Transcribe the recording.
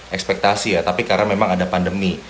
ekspektasi ya tapi karena memang ada pandemi